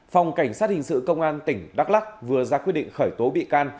phòng cảnh sát hình sự công an tỉnh đắk lắc vừa ra quyết định khởi tố bị can